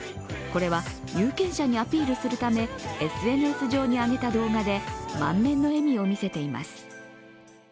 これは有権者にアピールするため、ＳＮＳ上に上げた動画で満面の笑みを見せています。